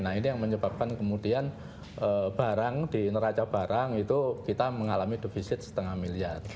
nah ini yang menyebabkan kemudian barang di neraca barang itu kita mengalami defisit setengah miliar